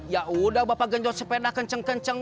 yaudah bapak genjot sepeda kenceng kenceng